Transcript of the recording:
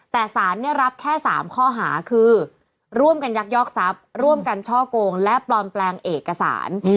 แต่สารเนี่ยรับแค่๓ข้อหาคือร่วมกันยักยอกทรัพย์ร่วมกันช่อกงและปลอมแปลงเอกสาร